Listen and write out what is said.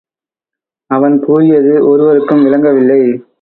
அவன் கூறியது ஒருவருக்கும் விளங்கவில்லை.